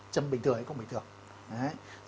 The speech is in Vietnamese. chấm bình thường hay không bình thường